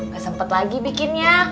gak sempet lagi bikinnya